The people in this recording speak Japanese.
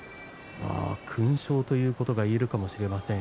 勲章ということが言えるかもしれません。